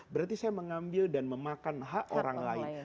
berarti saya mengambil dan memakan hak orang lain